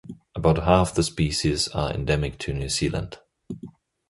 About half the species are endemic to New Zealand.